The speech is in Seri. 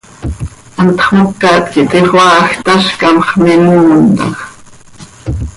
Hantx mocat quih tixoaaj, tazcam x, mimoontaj.